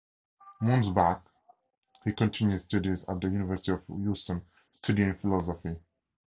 Once back, he continued his studies at the University of Houston studying philosophy.